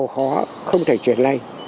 khó không thể chuyển lây